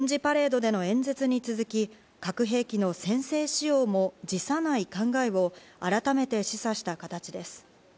軍事パレードでの演説に続き、核兵器の先制使用も辞さない考えを改めて示唆した形です。